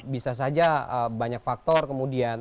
bisa saja banyak faktor kemudian